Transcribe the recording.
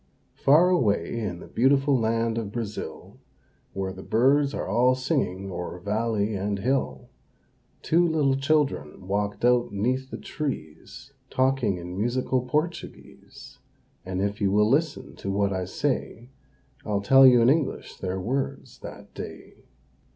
Far away in the beautiful land of Brazil, Where the birds are all singing o'er valley and hill, Two little children walked out 'neath the trees, Talking in musical Portuguese; And if you will listen to what I say, I'll tell you in English their words that day.